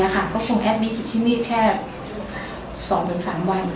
ก็ส่งแอบบิ๊กอีกที่นี่แค่๒๓วัน